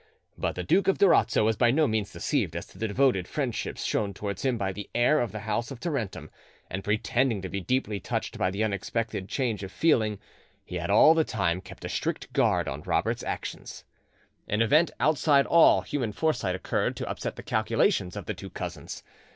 But the Duke of Durazzo was by no means deceived as to the devoted friendship shown towards him by the heir of the house of Tarentum, and pretending to be deeply touched by the unexpected change of feeling, he all the time kept a strict guard on Robert's actions. An event outside all human foresight occurred to upset the calculations of the two cousins.